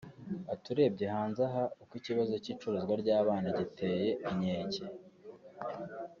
Ati “Urebye hanze aha uko ikibazo cy’icuruza ry’abana giteye inkeke